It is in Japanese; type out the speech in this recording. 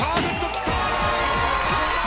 きた！